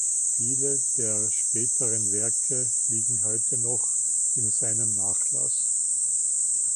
Viele der späteren Werke liegen heute noch in seinem Nachlass.